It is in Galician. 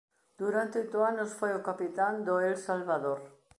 Durante oito anos foi o capitán do El Salvador.